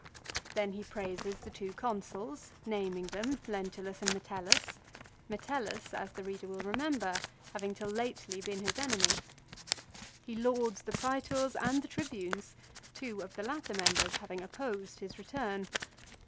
Then he praises the two Consuls, naming them, Lentulus and Metellus, Metellus as the reader will remember having till lately been his enemy. He lauds the Praetors and the Tribunes, two of the latter members having opposed his return.